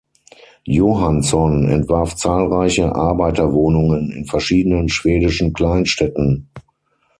Johansson entwarf zahlreiche Arbeiterwohnungen in verschiedenen schwedischen Kleinstädten.